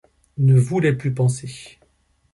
ne voulais plus penser.